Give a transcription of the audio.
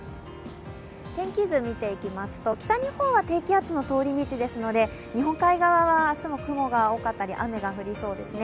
天気図見ていきますと、北日本は低気圧の通り道ですので日本海側は明日も雲が多かったり雨が降りそうですね。